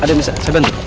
ada misalnya saya bantu